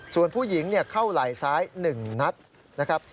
ส่วนผู้หญิงเข้าไหล่ซ้าย๑นัดนะครับ